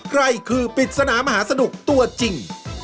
ใครคือปริศนามหาสนุกตัวจริง